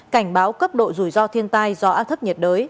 cảnh báo cấp độ rủi ro thiên tai do áp thấp nhiệt đới